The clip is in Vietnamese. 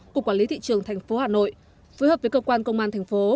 cục quản lý thị trường thành phố hà nội phối hợp với cơ quan công an thành phố